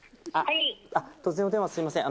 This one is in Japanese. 突然のお電話すみません。